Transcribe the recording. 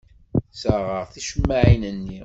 Ssaɣeɣ ticemmaɛin-nni.